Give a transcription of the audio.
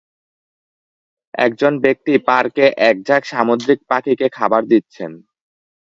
একজন ব্যক্তি পার্কে এক ঝাঁক সামুদ্রিক পাখিকে খাবার দিচ্ছেন।